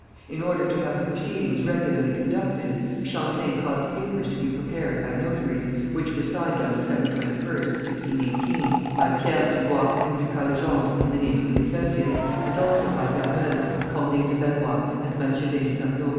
In order to have the proceedings regularly conducted, Champlain caused papers to be prepared by notaries, which were signed on December 21st, 1618, by Pierre du Gua and Lucas Legendre in the name of the associates, and also by Vermeulle, Corneille de Bellois and Mathieu d'Insterlo.